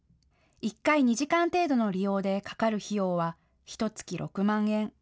１回２時間程度の利用でかかる費用は、ひとつき６万円。